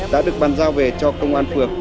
đã được bàn giao về cho công an phường